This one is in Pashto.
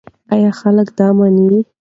ایا خلک دا مني؟